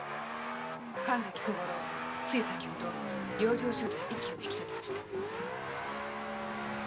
神崎小五郎つい先ほど養生所で息を引きとりました。